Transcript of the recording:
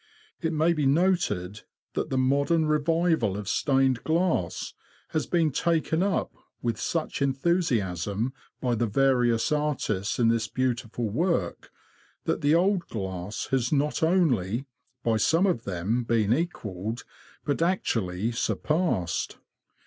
It may be noted that the modern revival of stained glass has been taken up with such enthusiasm by the various artists in this beautiful work, that the old glass has not only, by some of them, been equalled, but actually surpassed.